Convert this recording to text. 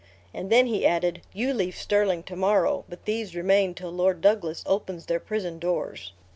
and then he added, "you leave Stirling to morrow, but these remain till Lord Douglas opens their prison doors."